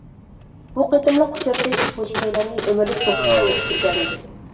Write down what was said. بۇ قېتىملىق ئۇچرىشىش بۇ ئىككىيلەننى ئۆمۈرلۈك دوستلۇققا ئېرىشتۈرگەنىدى.